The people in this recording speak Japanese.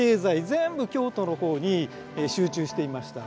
全部京都の方に集中していました。